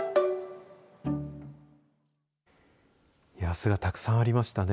巣がたくさんありましたね。